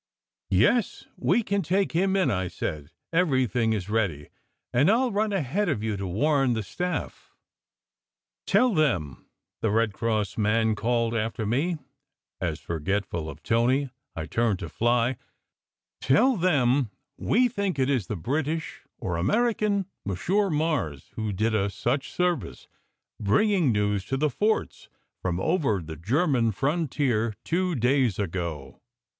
"Yes, we can take him in," I said. "Everything is ready, and I ll run ahead of you to warn the staff." "Tell them," the Red Cross man called after me, as, for getful of Tony, I turned to fly, "tell them we think it is the British or American Monsieur Mars who did us such service, bringing news to the forts from over the Ger man frontier two days ago."